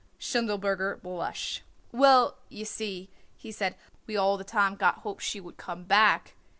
Schindelberger blushed. "Well, you see," he said, "we all the time got hopes she would come back."